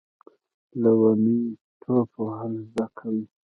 له ونې ټوپ وهل زده کوي .